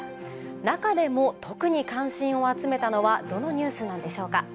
中でも、特に関心を集めたのはどのニュースなんでしょうか。